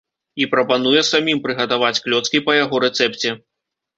І прапануе самім прыгатаваць клёцкі па яго рэцэпце.